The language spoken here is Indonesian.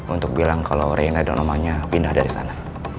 untuk bilang kalau reina dan namanya pindah dari sana